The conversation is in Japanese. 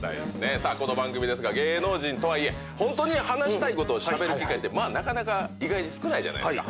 この番組ですが芸能人とはいえホントに話したいことをしゃべる機会ってなかなか意外に少ないじゃないですか。